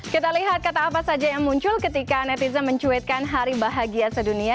kita lihat kata apa saja yang muncul ketika netizen mencuitkan hari bahagia sedunia